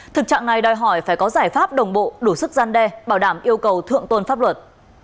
thực trạng này đòi hỏi phải có giải pháp đồng bộ đủ sức gian đe bảo đảm yêu cầu thượng tôn pháp luật